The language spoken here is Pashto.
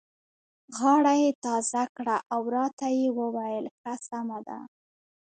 غاړه یې تازه کړه او راته یې وویل: ښه سمه ده.